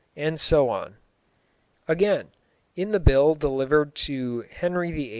and so on. Again, in the bill delivered to Henry VIII.